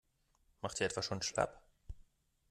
Macht ihr etwa schon schlapp?